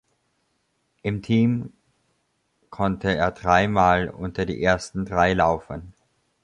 Im Team konnte er dreimal unter die ersten Drei laufen.